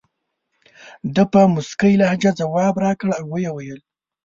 ده په موسکۍ لهجه ځواب راکړ او وویل.